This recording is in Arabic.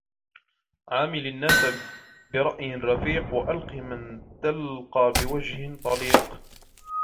عامل الناس برأي رفيق ، والق من تلقى بوجهٍ طليق.